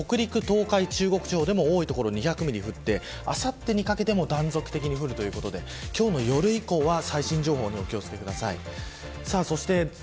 北陸、東海、中国地方でも多い所で２００ミリあさってにかけても断続的に降るということで今日の夜以降は最新情報に気を付けてください。